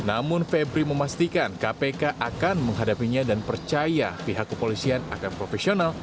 namun febri memastikan kpk akan menghadapinya dan percaya pihak kepolisian akan profesional